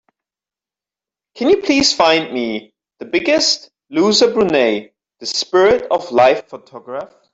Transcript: Can you please find me The Biggest Loser Brunei: The Spirit of Life photograph?